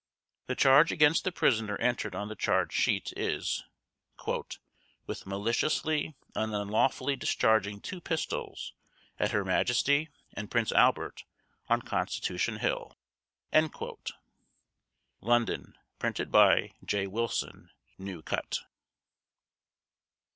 The charge against the prisoner entered on the charge sheet is "With maliciously and unlawfully discharging two pistols at Her Majesty and Prince Albert on Constitution hill." [London: Printed by J. Wilson, New Cut.